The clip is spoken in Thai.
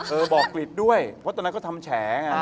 บอกกลิดด้วยเพราะตอนนั้นเขาทำแฉไง